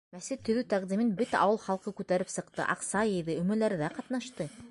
Мәсет төҙөү тәҡдимен бөтә ауыл халҡы күтәреп сыҡты, аҡса йыйҙы, өмәләрҙә ҡатнашты.